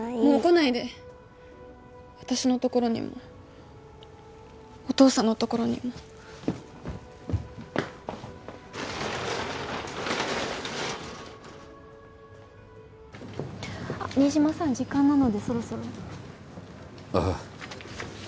もう来ないで私のところにもお父さんのところにも新島さん時間なのでそろそろああ